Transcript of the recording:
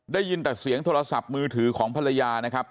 ได้ยินแต่เสียงโทรศัพท์มือถือของภรรยานะครับ